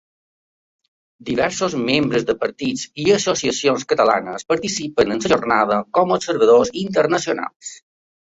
Diversos membres de partits i associacions catalanes participen en la jornada com observadors internacionals.